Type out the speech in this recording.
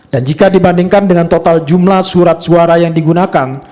dan jika dibandingkan dengan total jumlah surat suara yang digunakan